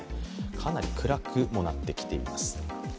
かなりくらくもなってきています。